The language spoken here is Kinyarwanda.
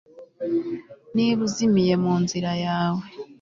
niba uzimiye munzira yawe